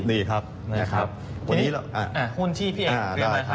หุ้นที่พี่เอกเรียกไหมครับ